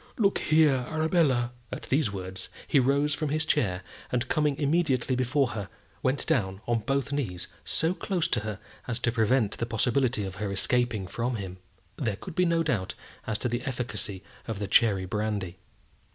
Look here, Arabella!" At these words he rose from his chair, and coming immediately before her, went down on both knees so close to her as to prevent the possibility of her escaping from him. There could be no doubt as to the efficacy of the cherry brandy.